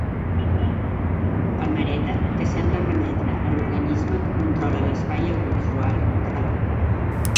Palmereta que sembla remetre a l'organisme que controla l'espai audiovisual català.